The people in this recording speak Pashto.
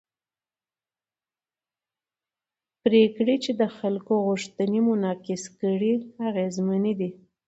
پرېکړې چې د خلکو غوښتنې منعکس کړي اغېزمنې دي